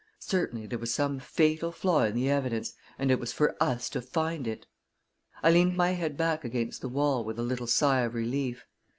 Certainly, there was some fatal flaw in the evidence, and it was for us to find it. I leaned my head back against the wall with a little sigh of relief.